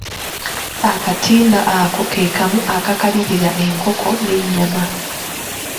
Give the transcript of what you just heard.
Akatimba ako ke kamu akakalirira enkoko n'ennyama.